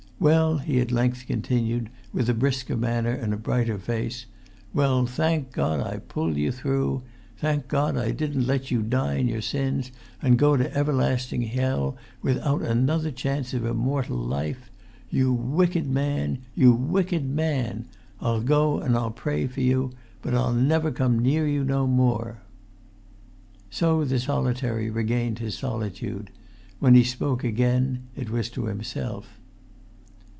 "Well," he at length continued, with a brisker manner and a brighter face; "well, thank God I pulled you through; thank God I didn't let you die in your sins and go to everlasting hell without an[Pg 227]other chance of immortal life. You wicked man! You wicked man! I'll go and I'll pray for you; but I'll never come near you no more." So the solitary regained his solitude; when he spoke again, it was to himself.